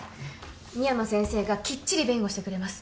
深山先生がきっちり弁護してくれます